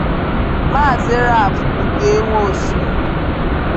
Maazị Ralph Okey Nwosu